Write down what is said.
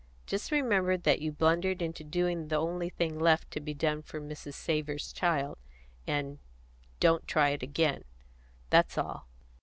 "Just remember that you blundered into doing the only thing left to be done for Mrs. Savor's child; and don't try it again. That's all."